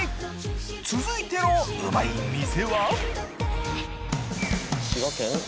続いてのうまい店は？